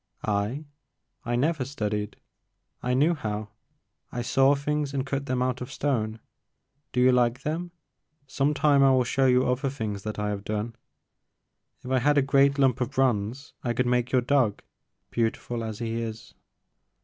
*'I? I never studied, — I knew how. I saw things and cut them out of stone. Do you like them ? Some time I will show you other things that I have done. If I had a great lump of bronze I could make your dog, beautiful as he is."